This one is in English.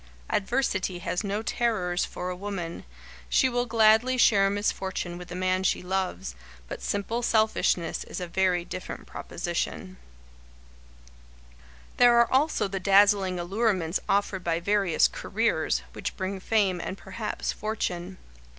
Adversity has no terrors for a woman; she will gladly share misfortune with the man she loves, but simple selfishness is a very different proposition. [Sidenote: "Wedded to their Art"] There are also the dazzling allurements offered by various "careers" which bring fame and perhaps fortune.